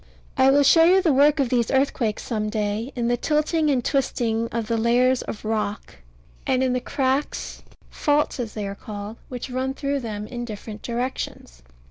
I will show you the work of these earthquakes some day, in the tilting and twisting of the layers of rock, and in the cracks (faults, as they are called) which run through them in different directions.